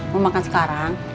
mau makan sekarang